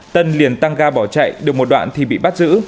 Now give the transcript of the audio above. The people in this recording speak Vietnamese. tân liền tăng ga bỏ chạy được một đoạn thì bị bắt giữ